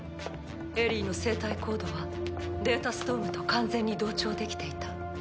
エリィの生体コードはデータストームと完全に同調できていた。